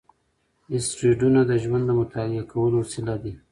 اسټروېډونه د ژوند د مطالعه کولو وسیله دي.